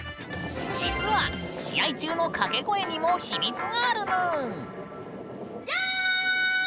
実は試合中のかけ声にも秘密があるぬん！